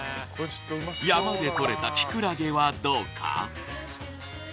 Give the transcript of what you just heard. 山で採れたキクラゲはどうか？